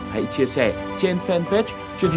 hãy chia sẻ trên fanpage của chúng tôi